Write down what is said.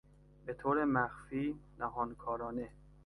به طور مخفی، نهانکارانه